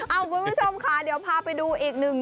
คุณผู้ชมค่ะเดี๋ยวพาไปดูอีกหนึ่ง